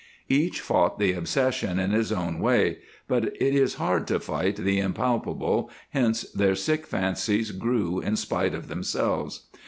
Each fought the obsession in his own way, but it is hard to fight the impalpable, hence their sick fancies grew in spite of themselves.